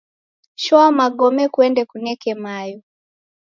Shoa magome kuende kuneke mayo.